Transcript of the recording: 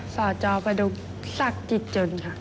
สอจอไปดูศักดิ์จิตจนค่ะ